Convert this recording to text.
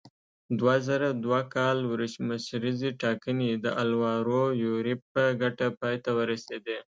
دوه زره دوه کال ولسمشریزې ټاکنې د الوارو یوریب په ګټه پای ته ورسېدې.